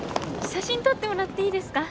写真撮ってもらっていいですか？